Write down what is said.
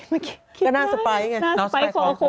ก็น่าสไปล์ไงน่าสไปล์คอน่าสไปล์คอ